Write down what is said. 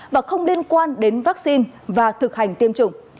và không liên quan đến vắc xin và thực hành tiêm chủng